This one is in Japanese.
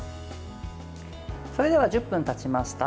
それでは、１０分たちました。